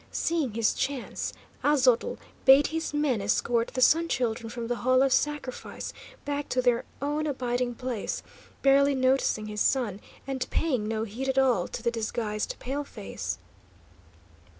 Seeing his chance, Aztotl bade his men escort the Sun Children from the Hall of Sacrifice back to their own abiding place, barely noticing his son, and paying no heed at all to the disguised paleface.